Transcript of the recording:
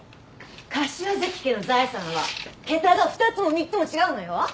柏崎家の財産は桁が２つも３つも違うのよ！